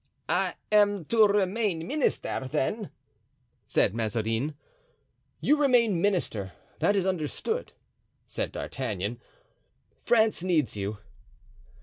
"I am to remain minister, then?" said Mazarin. "You remain minister; that is understood," said D'Artagnan; "France needs you."